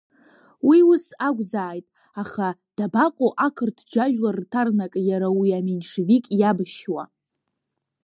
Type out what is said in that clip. Уи ус акәзааит, аха дабаҟоу ақырҭ џьажәлар рҭарнак, иара уи аменшевик иабашьуа?